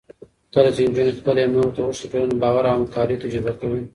کله چې نجونې خپل علم نورو ته وښيي، ټولنه باور او همکارۍ تجربه کوي.